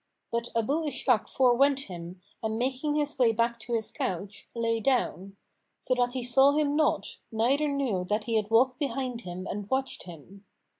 But Abu Ishak forewent him and making his way back to his couch, lay down; so that he saw him not, neither knew that he had walked behind him and watched him.